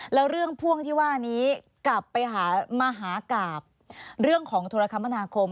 แล้วเรื่องพ่วงที่ว่านี้กลับมาหากับเรื่องของโทรคมนาคม